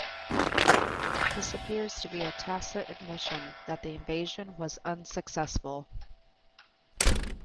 This appears to be a tacit admission that the invasion was unsuccessful.